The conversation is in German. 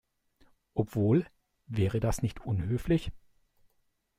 Obwohl, wäre das nicht unhöflich?